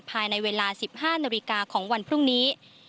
ภายในเวลา๑๕นาฬิกาของวันพรุ่งนี้